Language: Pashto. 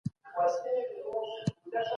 احتکار په ټولنه کي فقر نور هم زیاتوي.